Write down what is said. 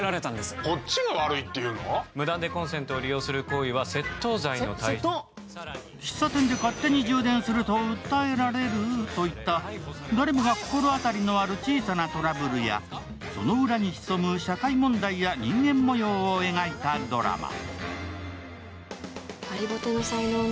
そんな２人のもとに舞い込む依頼が喫茶店で勝手に充電すると訴えられるといった誰もが心当たりのある小さなトラブルやその裏に潜む社会問題や人間模様を描いたドラマ。